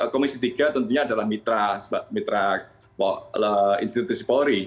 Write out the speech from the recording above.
komisi tiga tentunya adalah mitra institusi polri